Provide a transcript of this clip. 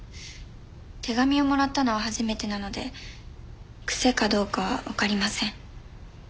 手紙をもらったのは初めてなので癖かどうかわかりません。